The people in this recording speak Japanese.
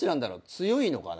強いのかな？